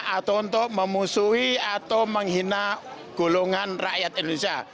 atau untuk memusuhi atau menghina golongan rakyat indonesia